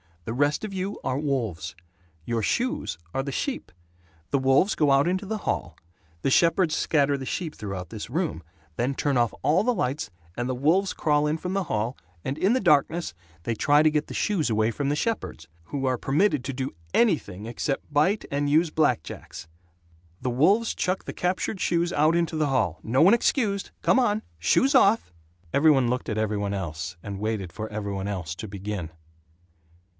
The rest of you are wolves. Your shoes are the sheep. The wolves go out into the hall. The shepherds scatter the sheep through this room, then turn off all the lights, and the wolves crawl in from the hall and in the darkness they try to get the shoes away from the shepherds who are permitted to do anything except bite and use black jacks. The wolves chuck the captured shoes out into the hall. No one excused! Come on! Shoes off!" Every one looked at every one else and waited for every one else to begin.